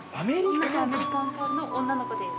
同じアメリカンカールの女の子です。